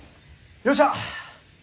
よっしゃ！